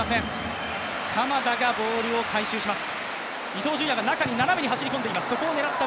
鎌田がボールを回収します。